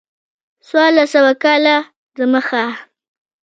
څوارلس سوه کاله د مخه.